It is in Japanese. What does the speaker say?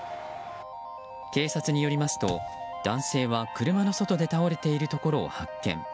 警察によりますと男性は車の外で倒れているところを発見。